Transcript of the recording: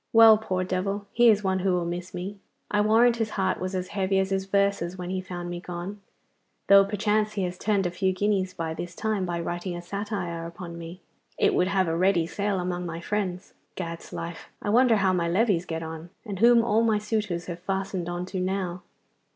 Well, poor devil, he is one who will miss me. I warrant his heart was as heavy as his verses when he found me gone, though perchance he has turned a few guineas by this time by writing a satire upon me. It would have a ready sale among my friends. Gad's life! I wonder how my levees get on, and whom all my suitors have fastened on to now.